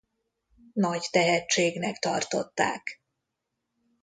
Nagy tehetségnek tartották.